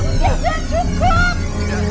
tentu dia cukup bang